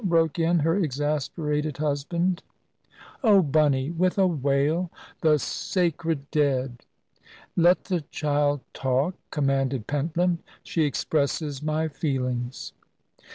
broke in her exasperated husband. "Oh, Bunny" with a wail "the sacred dead." "Let the child talk," commanded Pentland; "she expresses my feelings."